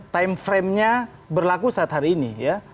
time frame nya berlaku saat hari ini ya